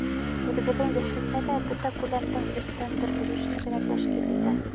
Үҙебеҙҙең йәшелсә лә бөтә күләмдең өстән бер өлөшөн генә тәшкил итә.